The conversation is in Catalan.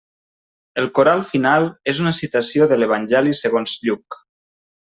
El coral final és una citació de l'Evangeli segons Lluc.